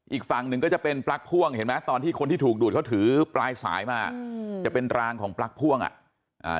อีกฝั่งหนึ่งก็จะเป็นปลั๊กพ่วงเห็นไหมตอนที่คนที่ถูกดูดเขาถือปลายสายมาอืมจะเป็นรางของปลั๊กพ่วงอ่ะอ่า